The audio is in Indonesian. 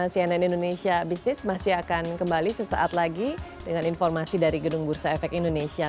cnn indonesia business masih akan kembali sesaat lagi dengan informasi dari gedung bursa efek indonesia